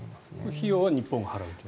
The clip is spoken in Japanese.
費用は日本が払うと？